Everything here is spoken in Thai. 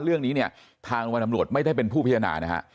เรื่องนี้เนี่ยทางโรงพยาบาลตำรวจไม่ได้เป็นผู้พิจารณานะฮะ